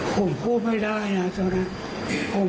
ผมพูดไม่ได้นะผมร้องโอ้อยได้นะครับ